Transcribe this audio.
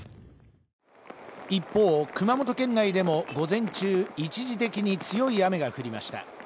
一方、熊本県内でも午前中一時的に強い雨が降りました。